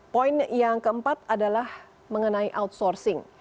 poin yang keempat adalah mengenai outsourcing